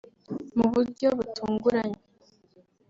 Mu buryo butunguranye